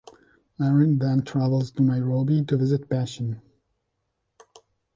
Merrin then travels to Nairobi to visit Bession.